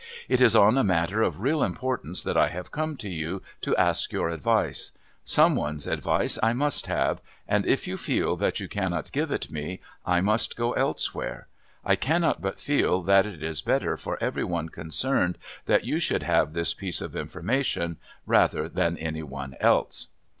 It is on a matter of real importance that I have come to you to ask your advice. Some one's advice I must have, and if you feel that you cannot give it me, I must go elsewhere. I cannot but feel that it is better for every one concerned that you should have this piece of information rather than any one else."